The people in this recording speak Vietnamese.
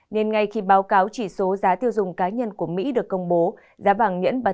là điều không quá lạ